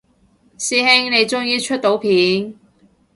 師兄你終於出到片